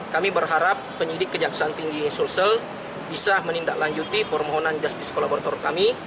kami berharap penyidik kejaksaan tinggi sulsel bisa menindaklanjuti permohonan justice kolaborator kami